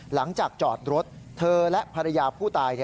หลังจากจอดรถเธอและภรรยาผู้ตาย